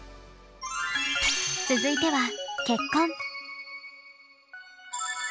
続いては結婚。